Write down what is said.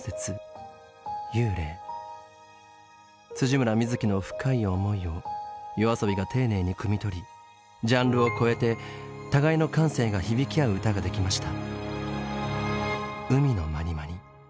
村深月の深い思いをＹＯＡＳＯＢＩが丁寧にくみ取りジャンルを超えて互いの感性が響き合う歌ができました。